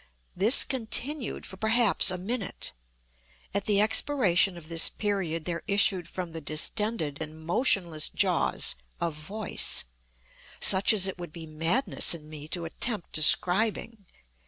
This continued for perhaps a minute. At the expiration of this period, there issued from the distended and motionless jaws a voice—such as it would be madness in me to attempt describing.